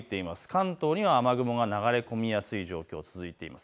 関東には雨雲が流れ込みやすい状況、続いています。